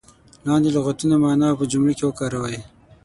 لاندې لغتونه معنا او په جملو کې وکاروئ.